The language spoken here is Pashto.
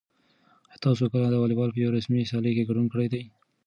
آیا تاسو کله د واليبال په یوه رسمي سیالۍ کې ګډون کړی دی؟